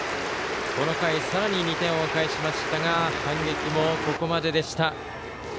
この回さらに２点を返しましたが反撃もここまででした。